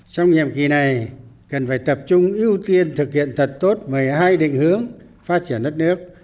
trong nhiệm kỳ này cần phải tập trung ưu tiên thực hiện thật tốt một mươi hai định hướng phát triển đất nước